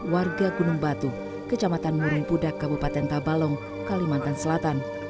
warga gunung batu kecamatan murempudak kabupaten tabalong kalimantan selatan